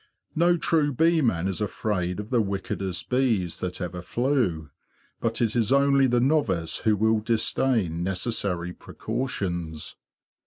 No true bee man is afraid of the wickedest bees that ever flew, but it is only the novice who will disdain necessary precautions.